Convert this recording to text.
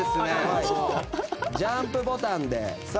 ジャンプボタンで。